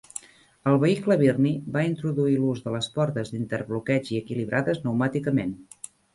El vehicle Birney va introduir l"ús de les portes d"interbloqueig i equilibrades pneumàticament.